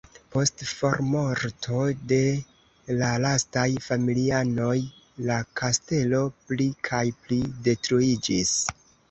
Post formorto de la lastaj familianoj la kastelo pli kaj pli detruiĝis.